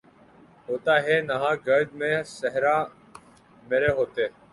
ہوتا ہے نہاں گرد میں صحرا مرے ہوتے